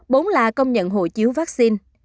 bốn là công nhận hộ chiếu vaccine